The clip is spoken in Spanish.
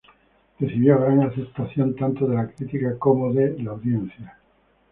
Recibió gran aceptación tanto de la crítica como de la audiencia.